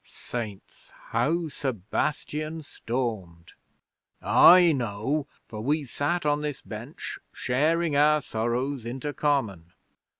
Saints! How Sebastian stormed! I know, for we sat on this bench sharing our sorrows inter common.